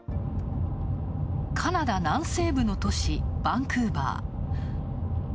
カナダ南西部の都市、バンクーバー。